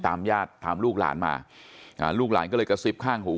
ญาติตามลูกหลานมาอ่าลูกหลานก็เลยกระซิบข้างหู